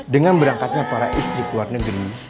dengan berangkatnya para istri keluar negeri